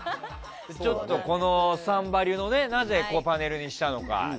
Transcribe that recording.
ちょっと、この「サンバリュ」なぜパネルにしたのか。